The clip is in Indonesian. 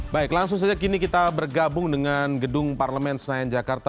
baik langsung saja kini kita bergabung dengan gedung parlemen senayan jakarta